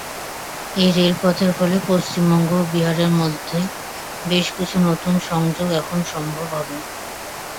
এই রেলপথের ফলে পশ্চিমবঙ্গ ও বিহারের মধ্যে বেশ কিছু নতুন সংযোগ এখন সম্ভব হবে।